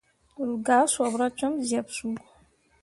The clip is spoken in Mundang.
Ru gah sopra com zyeɓsuu.